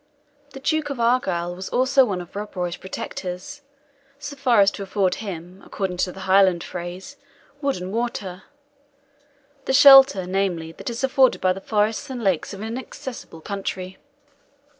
The Duke of Argyle was also one of Rob Roy's protectors, so far as to afford him, according to the Highland phrase, wood and water the shelter, namely, that is afforded by the forests and lakes of an inaccessible country.